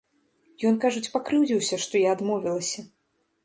Ён, кажуць, пакрыўдзіўся, што я адмовілася.